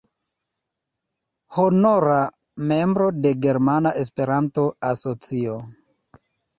Honora membro de Germana Esperanto-Asocio.